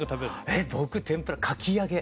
えっ僕天ぷらかき揚げ！